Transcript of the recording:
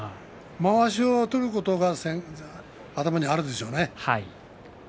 まわしを取ることが頭にあるでしょうね。